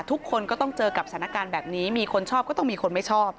ทุกคนก็ต้องเจอกับสถานการณ์แบบนี้มีคนชอบก็ต้องมีคนไม่ชอบ